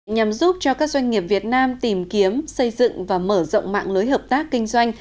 nhằm giúp cho các doanh nghiệp việt nam tìm kiếm xây dựng và mở rộng mạng lưới hợp tác kinh doanh